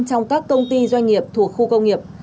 trong các công ty doanh nghiệp thuộc khu công nghiệp